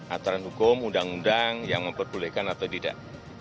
aturan hukum undang undang yang memperbolehkan atau tidak